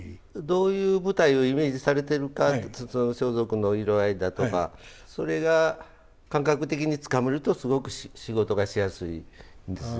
どういう舞台をイメージされてるかって装束の色合いだとかそれが感覚的につかめるとすごく仕事がしやすいです